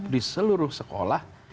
di seluruh sekolah